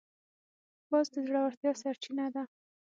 باز د زړورتیا سرچینه ده